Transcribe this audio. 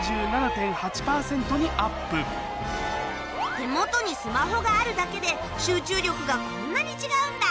手元にスマホがあるだけで集中力がこんなに違うんだ。